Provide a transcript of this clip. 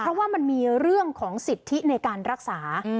เพราะว่ามันมีเรื่องของสิทธิในการรักษา